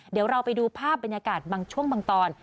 เดี๋ยวเราไปดูภาพบรรยากาศบางช่วงบางตอน